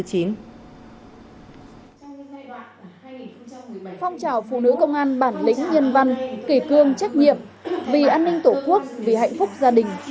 phong trào phụ nữ công an bản lĩnh nhân văn kỷ cương trách nhiệm vì an ninh tổ quốc vì hạnh phúc gia đình